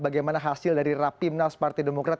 bagaimana hasil dari rapimnas partai demokrat